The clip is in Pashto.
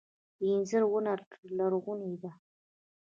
د انځر ونه لرغونې ده